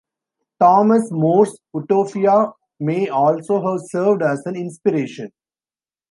Thomas More's "Utopia" may also have served as an inspiration.